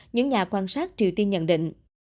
những nhà quan sát triều tiên nhận định